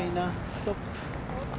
ストップ。